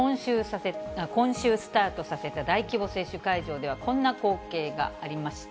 今週スタートさせた大規模接種会場では、こんな光景がありました。